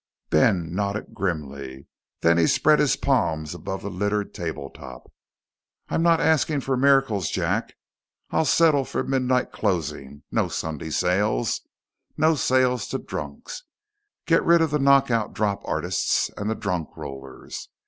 Ben nodded grimly, then he spread his palms above the littered tabletop. "I'm not asking for miracles, Jack. I'll settle for midnight closing, no Sunday sales, no sales to drunks. Get rid of the knockout drop artists and the drunk rollers.